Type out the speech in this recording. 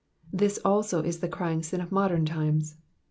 This also is the crying sin of modern times.